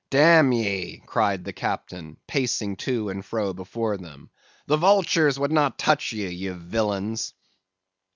'Damn ye,' cried the Captain, pacing to and fro before them, 'the vultures would not touch ye, ye villains!